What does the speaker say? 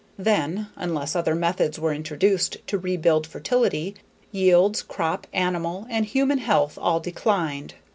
Then, unless other methods were introduced to rebuild fertility, yields, crop, animal, and human health all declined.